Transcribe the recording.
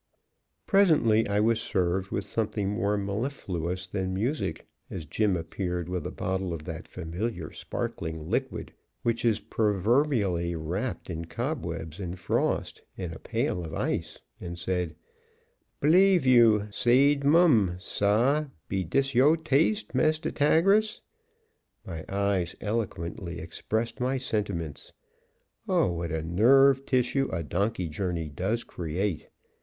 Presently I was served with something more mellifluous than music, as Jim appeared with a bottle of that familiar sparkling liquid, which is proverbially wrapped in cobwebs and frost, in a pail of ice, and said: "Believe yo' sayed Mumm, Sah be dis yo' taste, Mistah 'Tagras?" My eyes eloquently expressed my sentiments. Oh, what a nerve tissue a donkey journey does create!